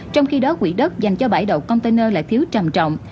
trong khi đó quỹ đất dành cho bãi đậu container lại thiếu trầm trọng